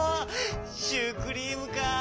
シュークリームかあ。